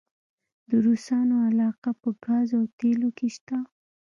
د روسانو علاقه په ګاز او تیلو کې شته؟